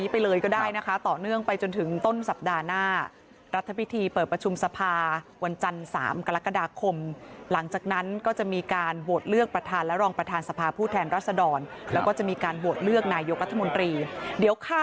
สมัยเราวิ่งทำข่าวกันมันก็นานแล้วไงพี่อุ๋ย